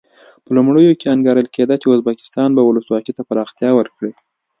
په لومړیو کې انګېرل کېده چې ازبکستان به ولسواکي ته پراختیا ورکړي.